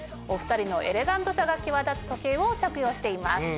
お２人のエレガントさが際立つ時計を着用しています。